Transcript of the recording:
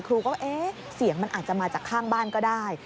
ครูก็เอ๊ะเสียงมันอาจจะมาจากข้างบ้านก็ได้